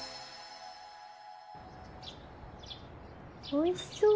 おいしそう。